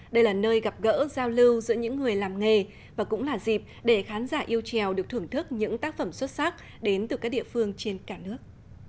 đây là nơi gặp gỡ giao lưu giữa những người làm nghề và cũng là dịp để khán giả yêu trèo được thưởng thức những tác phẩm xuất sắc đến từ các địa phương trên cả nước